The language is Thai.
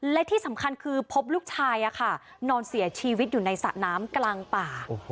และที่สำคัญคือพบลูกชายนอนเสียชีวิตอยู่ในสระน้ำกลางป่า